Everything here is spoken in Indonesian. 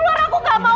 keluar aku gak mau